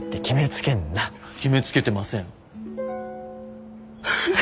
決めつけてません。